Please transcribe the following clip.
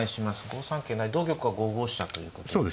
５三桂成同玉は５五飛車ということですね。